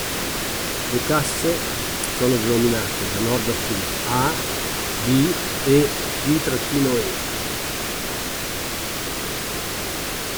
Le casse sono denominate, da nord a sud, "A", "B" e "D-E".